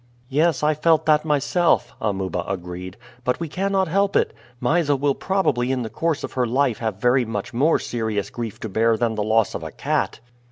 "Yes, I felt that myself," Amuba agreed, "but we cannot help it. Mysa will probably in the course of her life have very much more serious grief to bear than the loss of a cat."